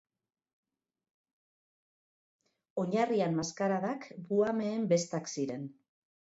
Oinarrian, maskaradak buhameen bestak ziren.